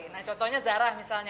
nah contohnya zara misalnya